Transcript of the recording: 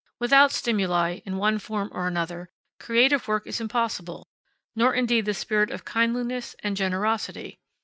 Without stimuli, in one form or another, creative work is impossible, nor indeed the spirit of kindliness and generosity.